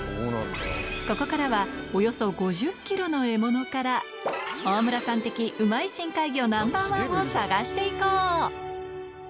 ここからはおよそ５０キロの獲物から、大村さん的、うまい深海魚ナンバー１を探していこう！